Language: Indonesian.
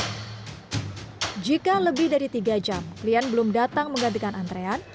jika lebih dari tiga jam klien belum datang menggantikan antrean